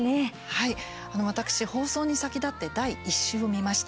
はい、私、放送に先立って第１週を見ました。